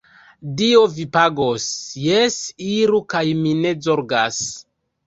Dio vin pagos, jes, iru kaj mi ne zorgas.